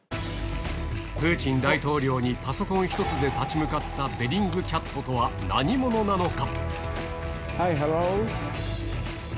プーチン大統領にパソコン一つで立ち向かったベリングキャットとは何者なのか。